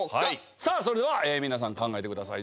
さあそれでは皆さん考えてください。